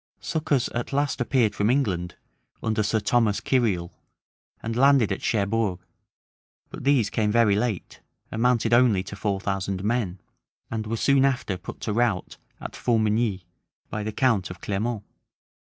Succors at last appeared from England, under Sir Thomas Kyriel, and landed at Cherbourg: but these came very late, amounted only to four thousand men, and were soon after put to rout at Fourmigni by the count of Clermont.